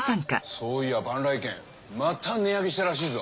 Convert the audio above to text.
そういや万来軒また値上げしたらしいぞ。